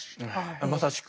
まさしく。